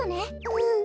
うん。